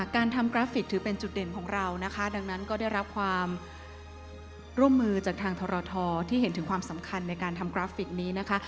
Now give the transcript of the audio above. การทำกราฟิกถือเป็นจุดเด่นของเรานะคะดังนั้นก็ได้รับความร่วมมือจากทางทรทที่เห็นถึงความสำคัญในการทำกราฟิกนี้นะคะ